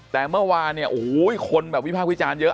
แต่เมื่อวานเนี่ยโอ้โหคนแบบวิพากษ์วิจารณ์เยอะ